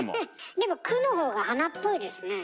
でも「く」の方が鼻っぽいですね。